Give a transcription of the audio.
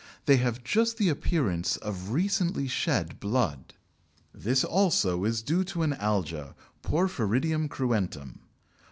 They have just the appearance of recently shed blood. This also is due to an alga (Porphyridium cruentum). Dr.